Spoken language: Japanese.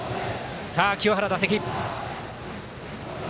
清原、打席。